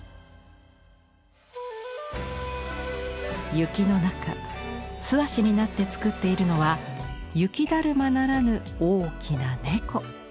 雪の中素足になって作っているのは雪だるまならぬ大きな猫。